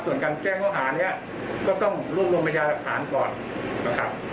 ส่วนการแจ้งโทษภาคนี้ก็ต้องรูปลงบัญญาณรับฐานก่อนนะครับ